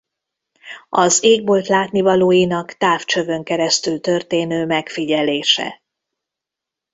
Az égbolt látnivalóinak távcsövön keresztül történő megfigyelése.